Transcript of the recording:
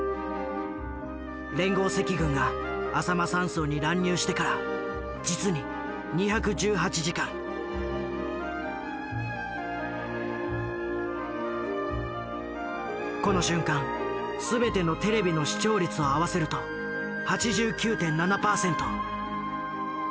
連合赤軍があさま山荘に乱入してから実にこの瞬間全てのテレビの視聴率を合わせると８９．７％。